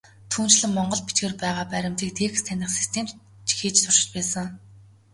Түүнчлэн, монгол бичгээр байгаа баримтыг текст таних систем ч хийж туршиж байсан.